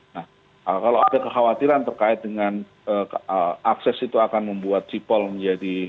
nah kalau ada kekhawatiran terkait dengan akses itu akan membuat sipol menjadi